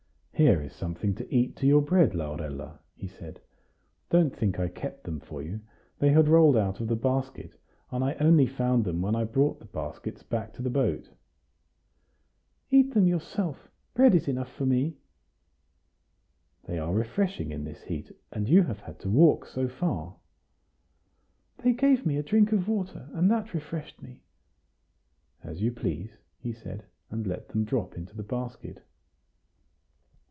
"Here is something to eat to your bread, Laurella," he said. "Don't think I kept them for you; they had rolled out of the basket, and I only found them when I brought the baskets back to the boat." "Eat them yourself; bread is enough for me." "They are refreshing in this heat, and you have had to walk so far." "They gave me a drink of water, and that refreshed me." "As you please," he said, and let them drop into the basket.